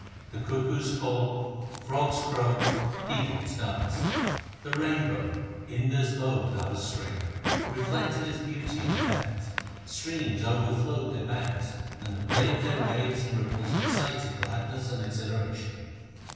The cuckoos called, frogs croaked, peacocks danced. The rain bow — Indar's bow without a string — reflected its beauty in the heavens, streams overflowed their banks, and the play of their waves and ripples excited gladness and exhilaration.